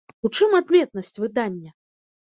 У чым адметнасць выдання?